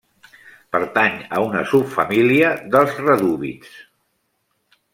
Pertany a una subfamília dels redúvids.